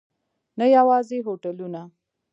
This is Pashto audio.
نه یوازې هوټلونه.